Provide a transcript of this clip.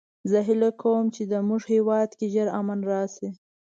زه هیله کوم چې د مونږ هیواد کې ژر امن راشي